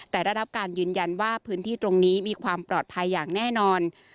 แต่ได้รับการยืนยันว่าพื้นที่ตรงนี้มีความปลอดภัยอย่างแน่นอน